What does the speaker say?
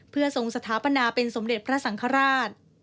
เพื่อทรงสถาปนาเป็นสมเด็จพระสังฆราช